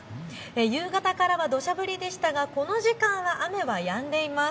夕方からはどしゃ降りでしたがこの時間は雨はやんでいます。